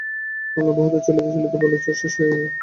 কমলা বহুদূর চলিতে চলিতে বালুর চর শেষ হইয়া মাটির ডাঙা আরম্ভ হইল।